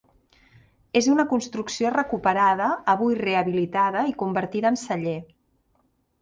És una construcció recuperada, avui rehabilitada i convertida en celler.